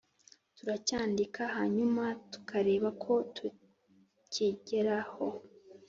turacyandika hanyuma tukareba ko tukigeraho.